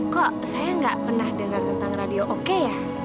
kok saya gak pernah dengar tentang radio oke ya